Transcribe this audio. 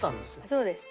そうです。